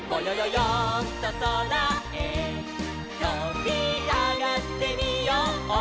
よんとそらへとびあがってみよう」